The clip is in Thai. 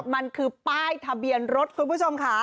มันคือป้ายทะเบียนรถคุณผู้ชมค่ะ